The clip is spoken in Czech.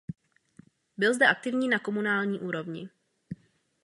Byl zde aktivní na komunální úrovni.